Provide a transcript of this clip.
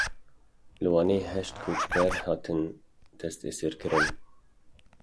Li Wanê heşt koçber hatin desteserkirin.